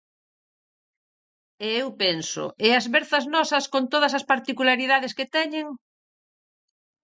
E eu penso: e as verzas nosas, con todas as particularidades que teñen?